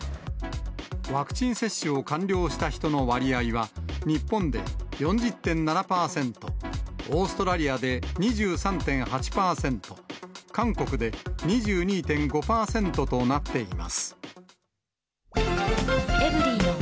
ワクチン接種を完了した人の割合は、日本で４０．７％、オーストラリアで２３．８％、韓国で２２．５％となっています。